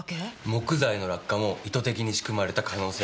木材の落下も意図的に仕組まれた可能性があります。